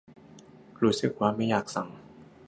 รู้สึกว่าไม่อยากสั่ง